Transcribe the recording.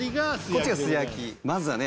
こっちが素焼きまずはね